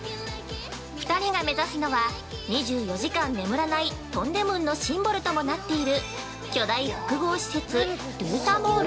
２人が目指すのは２４時間眠らない東大門のシンボルともなっている巨大複合施設ドゥータモール。